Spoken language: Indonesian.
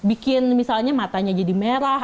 bikin misalnya matanya jadi merah